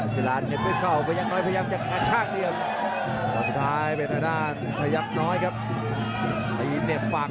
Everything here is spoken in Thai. พยายามกระชางทั่วเข้า